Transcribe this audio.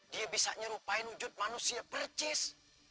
dia bisa nyerupai wujud manusia percis